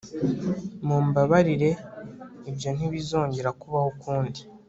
Mumbabarire ibyo ntibizongera kubaho ukundi